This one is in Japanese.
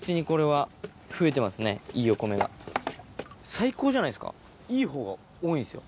最高じゃないですかいい方が多いんですよ。